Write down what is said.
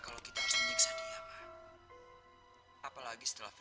loh itu kan kata suami